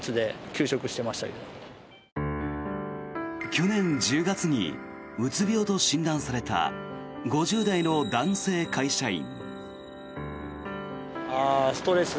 去年１０月にうつ病と診断された５０代の男性会社員。